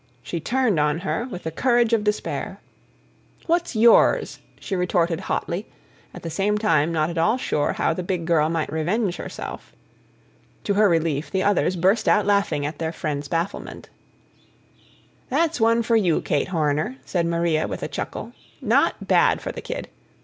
she turned on her, with the courage of despair. "What's yours?" she retorted hotly, at the same time not at all sure how the big girl might revenge herself. To her relief, the others burst out laughing at their friend's bafflement. "That's one for you, Kate Horner," said Maria with a chuckle. "Not bad for the kid.